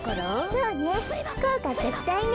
そうねこうかぜつだいね。